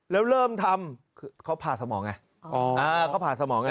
แล้วเริ่มทำเขาผ่าสมองไงเขาผ่าสมองไง